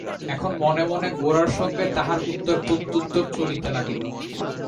এখন মনে মনে গোরার সঙ্গে তাহার উত্তর-প্রত্যুত্তর চলিতে লাগিল।